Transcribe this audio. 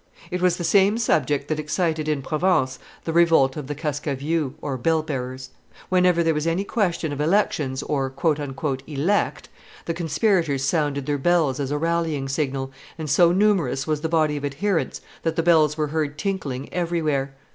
It was the same subject that excited in Provence the revolt of the Cascaveous, or bell bearers. Whenever there was any question of elections or "elect," the conspirators sounded their bells as a rallying signal, and so numerous was the body of adherents that the bells were heard tinkling everywhere.